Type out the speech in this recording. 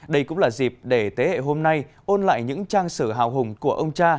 đây cũng là dịp để thế hệ hôm nay ôn lại những trang sử hào hùng của ông cha